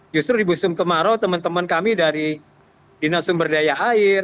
justru di musim kemarau teman teman kami dari dinas sumber daya air